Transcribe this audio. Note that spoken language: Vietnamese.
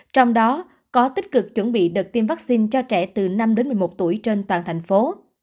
trong đó có tích cực chuẩn bị đợt tiêm vaccine cho trẻ từ năm đến một mươi một tuổi trên toàn thành phố